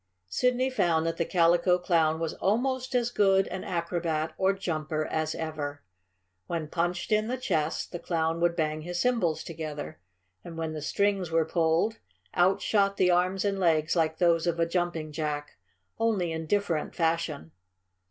Sidney found that the Calico Clown was almost as good an acrobat, or jumper, as ever. When punched in the chest, the Clown would bang his cymbals together. And when the strings were pulled, out shot the arms and legs like those of a Jumping Jack, only in different fashion.